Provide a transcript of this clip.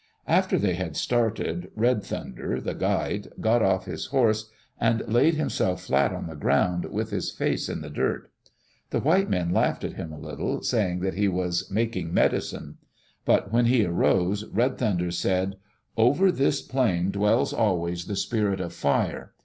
After they had started. Red Thunder, the guide, got off his horse and laid himself flat on the ground, with his face in the dirt. The white men laughed at him a little, saying tfiat he was "making medicine." But when he arose Red Thunder said, "Over this plain dwells always the Spirit of Fire.